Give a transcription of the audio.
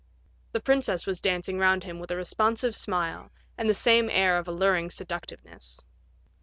The princess was dancing round him with a responsive smile, and the same air of alluring seductiveness.